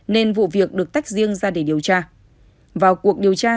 nên vụ việc được tách riêng ra để điều tra